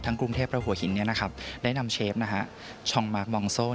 ทั้งกรุงเทพฯและหัวหินได้นำเชฟชองมักบองโซ่